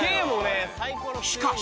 しかし。